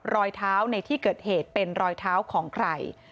รอยเท้าในที่เกิดเหตุเป็นรอยเท้าของใคร